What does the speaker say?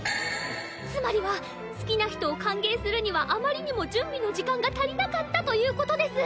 つまりは好きな人を歓迎するにはあまりにも準備の時間が足りなかったということです。